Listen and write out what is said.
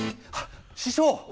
あっ師匠